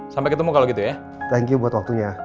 sampai ketemu kalau gitu ya thank you buat waktunya